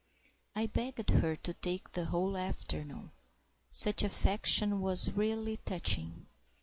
I begged her to take the whole afternoon; such affection was really touching.